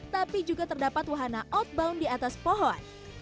tapi juga terdapat wahana outbound di atas pohon